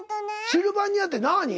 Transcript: シルバニアってなぁに？